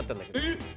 えっ！？